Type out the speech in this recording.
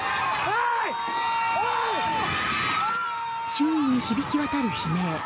周囲に響き渡る悲鳴。